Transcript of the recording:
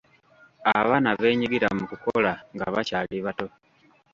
Abaana beenyigira mu kukola nga bakyali bato.